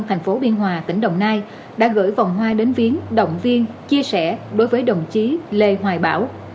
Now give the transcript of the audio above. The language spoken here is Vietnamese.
thành phố biên hòa tỉnh đồng nai đã gửi vòng hoa đến viến động viên chia sẻ đối với đồng chí lê hoài bảo